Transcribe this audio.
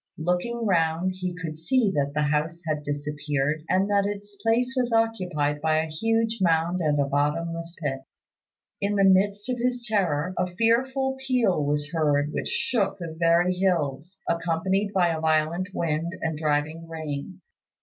Looking round, he could see that the house had disappeared, and that its place was occupied by a huge mound and a bottomless pit. In the midst of his terror, a fearful peal was heard which shook the very hills, accompanied by a violent wind and driving rain.